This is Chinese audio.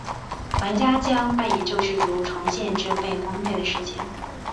玩家将扮演救世主重建这被荒废的世界。